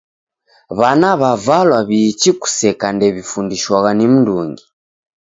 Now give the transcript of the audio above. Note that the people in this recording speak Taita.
W'ana w'avalwa w'iichi kuseka ndew'ifundishwagha ni mndungi.